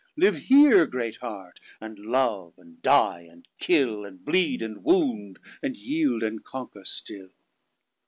Live here, great Heart; and love and dy and kill; And bleed and wound; and yeild and conquer still.